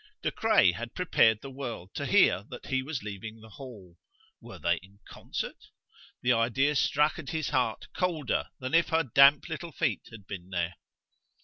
De Craye had prepared the world to hear that he was leaving the Hall. Were they in concert? The idea struck at his heart colder than if her damp little feet had been there.